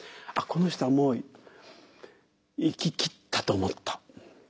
あっこの人はもう生ききったと思った。